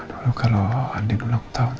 dulu kalau adik ulang tahun